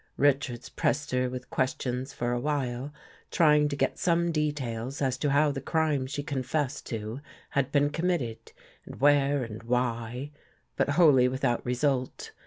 Richards pressed her with ques tions for a while, trying to get some details as to how the crime she confessed to had been committed and where and why, but wholly without result.